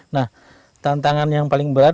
nah tantangan yang paling berat